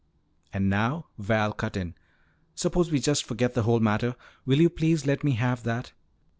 "And now," Val cut in, "suppose we just forget the whole matter. Will you please let me have that!"